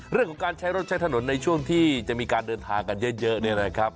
เรื่องของการใช้รถใช้ถนนในช่วงที่จะมีการเดินทางกันเยอะเนี่ยนะครับ